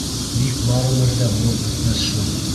Бик барыбер ҙә булып бөтмәҫ шул.